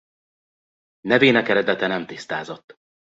Nevének eredete nem tisztázott.